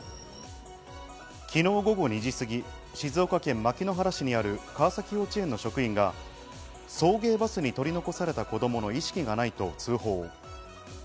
昨日午後２時過ぎ、静岡県牧之原市にある川崎幼稚園の職員が送迎バスに取り残された子供の意識がないと通報。